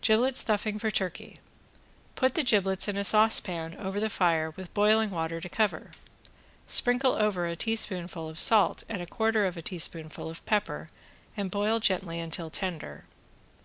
~GIBLET STUFFING FOR TURKEY~ Put the giblets in a saucepan over the fire with boiling water to cover, sprinkle over a teaspoonful of salt and a quarter of a teaspoonful of pepper and boil gently until tender.